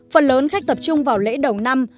phần lớn khách tập trung vào lễ đầu năm